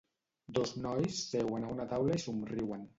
Dos nois seuen a una taula i somriuen.